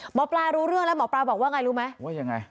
หมอปลารู้เรื่องแล้วหมอปลาบอกว่าไงรู้ไหมว่ายังไง